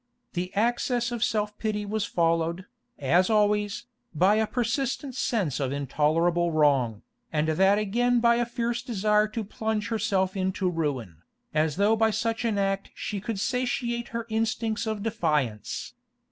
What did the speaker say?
The access of self pity was followed, as always, by a persistent sense of intolerable wrong, and that again by a fierce desire to plunge herself into ruin, as though by such act she could satiate her instincts of defiance.